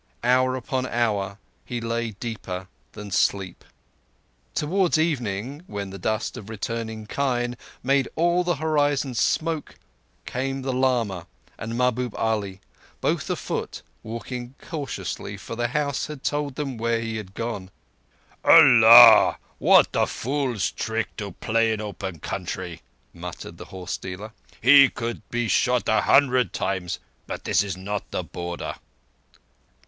Hour upon hour he lay deeper than sleep. Towards evening, when the dust of returning kine made all the horizons smoke, came the lama and Mahbub Ali, both afoot, walking cautiously, for the house had told them where he had gone. "Allah! What a fool's trick to play in open country!" muttered the horse dealer. "He could be shot a hundred times—but this is not the Border."